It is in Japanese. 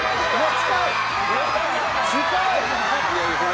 近い！